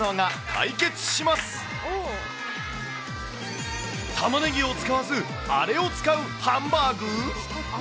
たまねぎを使わず、あれを使うハンバーグ？